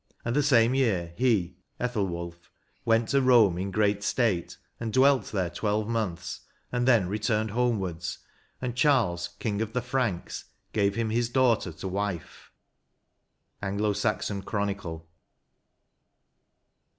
And the same year he (Ethelwulph) went to Eome in great state, and dwelt there twelve months, and then returned homewards, and Charles, King of the Franks, gave him his daughter to mie"— Anglo Saxon Chronicle.